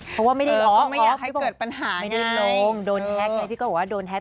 เพราะว่าไม่ได้ลงเพราะว่าไม่ได้ลงโดนแฮคไงพี่ก็บอกว่าโดนแฮค